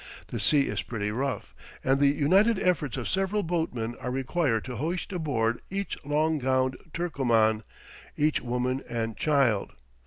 The sea is pretty rough, and the united efforts of several boatmen are required to hoist aboard each long gowned Turcoman, each woman and child.